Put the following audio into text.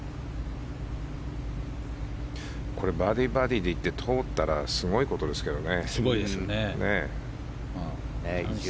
バーディーバーディーでいって、通ったらすごいことですけどね。